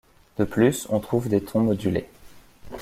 De plus, on trouve des tons modulés.